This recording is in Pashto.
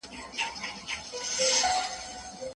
د لغات استعمال په املا پوري تړلی دی.